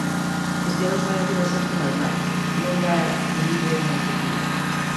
Este é o salario da xente normal, non da que vive en Monte Pío.